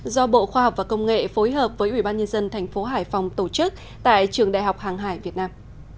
do bộ khoa học và công nghệ phối hợp với ubnd tp hải phòng tổ chức tại trường đại học hàng hải việt nam